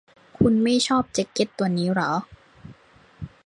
คุณไม่ชอบแจ๊คเก็ตตัวนี้หรอ